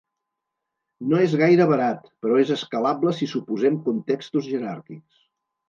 No és gaire barat, però és escalable si suposem contextos jeràrquics.